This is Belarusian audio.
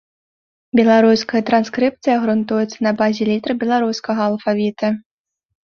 Беларуская транскрыпцыя грунтуецца на базе літар беларускага алфавіта.